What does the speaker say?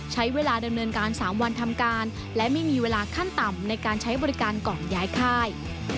ใช้เวลาดำเนินการ๓วันทำการและไม่มีเวลาขั้นต่ำในการใช้บริการก่อนย้ายค่าย